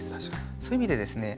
そういう意味でですね